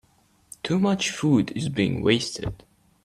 Too much food is being wasted.